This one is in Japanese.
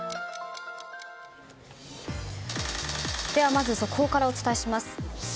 まず速報からお伝えします。